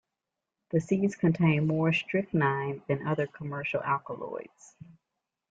The seeds contain more strychnine than other commercial alkaloids.